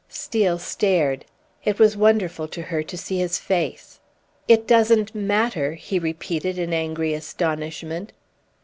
Steel stared; it was wonderful to her to see his face. "It doesn't matter?" he repeated in angry astonishment.